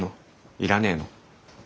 要らねえの？